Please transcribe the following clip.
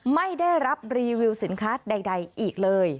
ไม่ได้รับรีวิวสินค้าใดอีกเลย